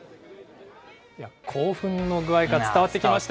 興奮の具合が伝わってきました。